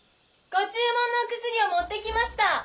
ご注文のお薬を持ってきました！